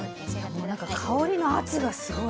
もうなんか香りの圧がすごい。